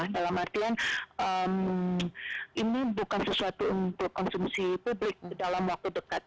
dalam artian ini bukan sesuatu untuk konsumsi publik dalam waktu dekat